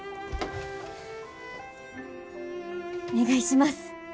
お願いします。